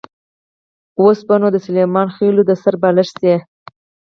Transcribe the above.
اوس به نو د سلیمان خېلو د سر بالښت شي.